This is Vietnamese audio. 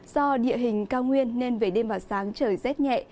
do địa hình cao nguyên nên về đêm và sáng trời rét nhẹ